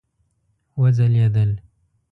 وځلیدل